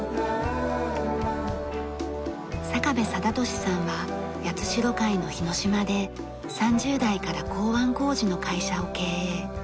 坂部貞年さんは八代海の島で３０代から港湾工事の会社を経営。